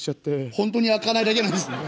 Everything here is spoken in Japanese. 本当に開かないだけなんですね。